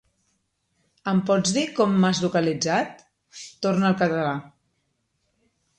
Em pots dir com m'has localitzat? —torna al català.